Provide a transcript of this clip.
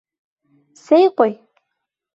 Сәй ҡуй!